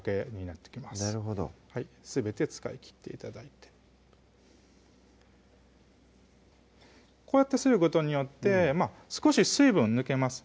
なるほどすべて使い切って頂いてこうやってすることによって少し水分抜けます